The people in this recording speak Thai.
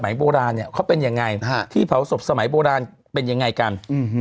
โบราณเนี่ยเขาเป็นยังไงที่เผาศพสมัยโบราณเป็นยังไงกัน